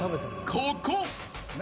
ここ。